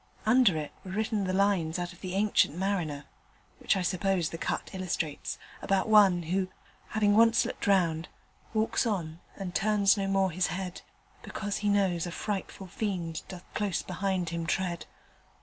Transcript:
Under it were written the lines out of the "Ancient Mariner" (which I suppose the cut illustrates) about one who, having once looked round walks on, And turns no more his head, Because he knows a frightful fiend Doth close behind him tread.